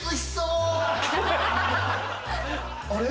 あれ？